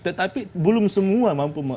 tetapi belum semua